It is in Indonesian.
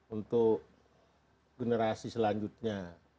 untuk generasi selanjutnya